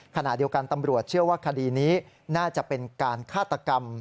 ขณะเดียวกันตำรวจเชื่อว่าคดีนี้น่าจะเป็นการฆาตกรรม